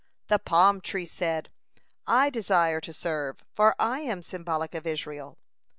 The palm tree said: "I desire to serve, for I am symbolic of Israel."